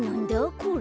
これ。